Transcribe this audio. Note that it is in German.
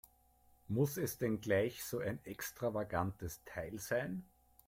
Muss es denn gleich so ein extravagantes Teil sein?